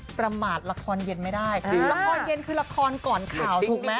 ประมาทละครเย็นไม่ได้จริงละครเย็นคือละครก่อนข่าวถูกไหม